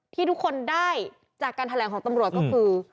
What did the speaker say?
ที่ทุกคนได้จากการแถลงของตำรวจก็คือ